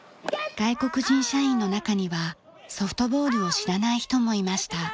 外国人社員の中にはソフトボールを知らない人もいました。